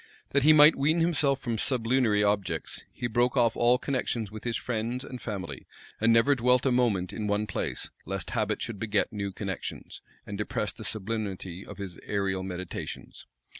That he might wean himself from sublunary objects, he broke off all connections with his friends and family, and never dwelt a moment in one place; lest habit should beget new connections, and depress the sublimity of his aerial meditations.